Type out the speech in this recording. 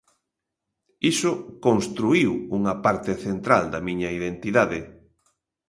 Iso construíu unha parte central da miña identidade.